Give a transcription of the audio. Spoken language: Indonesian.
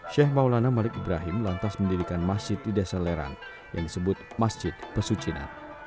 sheikh maulana malik ibrahim lantas mendirikan masjid di desa leran yang disebut masjid pesucinan